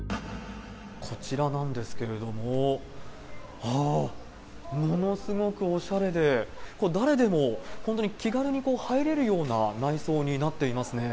こちらなんですけれども、あー、ものすごくおしゃれで、誰でも本当に気軽に入れるような内装になっていますね。